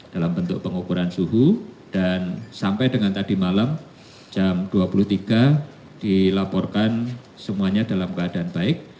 dalam bentuk pengukuran suhu dan sampai dengan tadi malam jam dua puluh tiga dilaporkan semuanya dalam keadaan baik